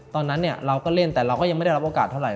ตอนนั้นเราก็เล่นแต่เราก็ยังไม่ได้รับโอกาสเท่าไห